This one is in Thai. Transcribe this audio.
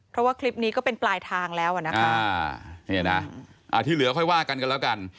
เพราะว่าคลิปนี้ก็เป็นปลายทางแล้วอ่ะนะคะเนี่ยนะที่เหลือค่อยว่ากันกันแล้วกัน